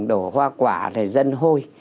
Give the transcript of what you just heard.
đổ hoa quả để dân hôi